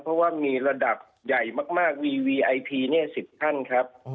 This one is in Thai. เพราะว่ามีระดับใหญ่มากวีวีไอพีเนี่ย๑๐ท่านครับ